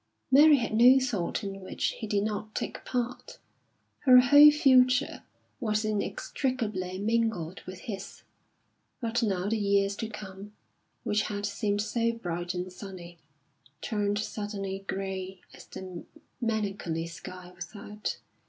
Mary had no thought in which he did not take part; her whole future was inextricably mingled with his. But now the years to come, which had seemed so bright and sunny, turned suddenly grey as the melancholy sky without.